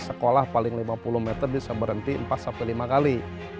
sekolah paling lima puluh meter bisa berhenti empat sampai lima kali